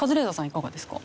いかがですか？